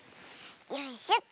よいしょと。